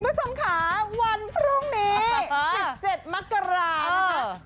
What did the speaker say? คุณผู้ชมค่ะวันพรุ่งนี้๑๗มกรานะคะ